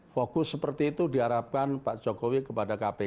fokus seperti itu diharapkan pak jokowi kepada kpk